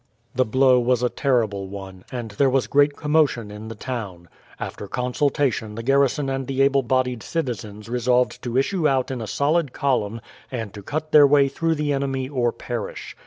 The blow was a terrible one, and there was great commotion in the town. After consultation the garrison and the able bodied citizens resolved to issue out in a solid column, and to cut their way through the enemy or perish.